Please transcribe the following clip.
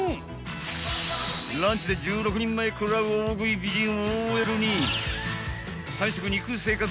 ランチで１６人前食らう大食い美人ＯＬに３食肉生活